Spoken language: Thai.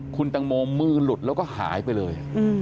คุณตังโมมือหลุดแล้วก็หายไปเลย